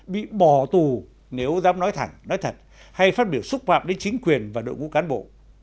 bị bỏ tù nếu dám nói thẳng nói thật hay phát biểu xúc phạm đến chính quyền và đội ngũ cán bộ